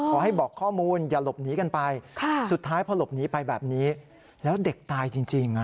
บอกข้อมูลอย่าหลบหนีกันไปสุดท้ายพอหลบหนีไปแบบนี้แล้วเด็กตายจริง